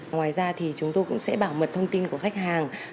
ngoài ra thì chúng tôi cũng sẽ bảo mật thông tin của khách hàng